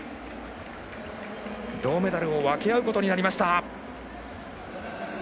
銅メダルを分け合うことになりました。